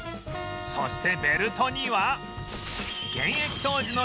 そしてベルトには